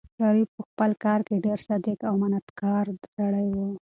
شریف په خپل کار کې ډېر صادق او امانتکار سړی و.